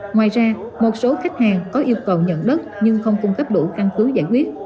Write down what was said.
ngoài ra một số khách hàng có yêu cầu nhận đất nhưng không cung cấp đủ căn cứ giải quyết